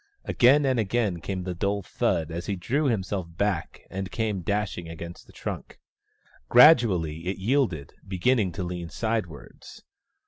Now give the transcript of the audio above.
Again and again came the dull thud as he drew himself back and came dashing against the trunk. Gradually it yielded, beginning to lean sidewards.